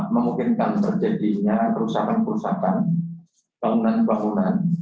memungkinkan terjadinya kerusakan kerusakan bangunan bangunan